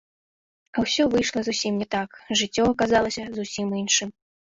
А ўсё выйшла зусім не так, жыццё аказалася зусім іншым.